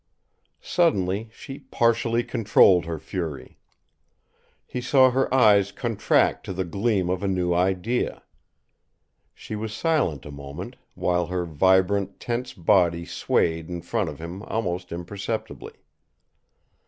Suddenly, she partially controlled her fury. He saw her eyes contract to the gleam of a new idea. She was silent a moment, while her vibrant, tense body swayed in front of him almost imperceptibly.